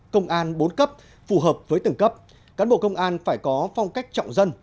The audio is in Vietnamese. công an bốn cấp phù hợp với từng cấp cán bộ công an phải có phong cách trọng dân